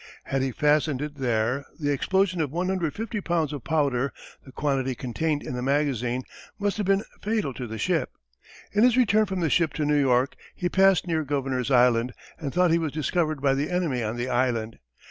Had he fastened it there the explosion of 150 lbs. of powder (the quantity contained in the magazine) must have been fatal to the ship. In his return from the ship to New York he passed near Governor's Island, and thought he was discovered by the enemy on the island.